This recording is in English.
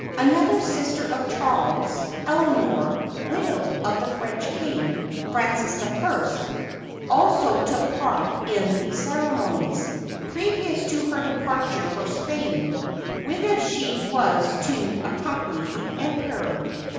Another sister of Charles, Eleanor, widow of the French king, Francis I, also took part in these ceremonies, previous to her departure for Spain, whither she was to accom pany the Emperor.